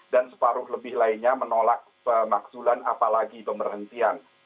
dan separuh lebih lainnya menolak pemaksulan apalagi pemerintian